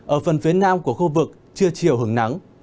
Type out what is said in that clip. ở phần phía nam của khu vực chưa chiều hứng nắng